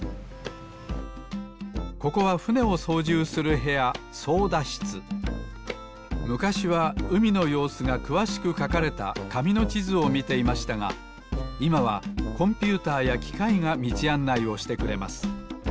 ここはふねをそうじゅうするへやむかしはうみのようすがくわしくかかれたかみのちずをみていましたがいまはコンピューターやきかいがみちあんないをしてくれます。